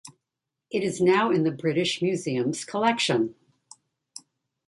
It is now in the British Museum's collection.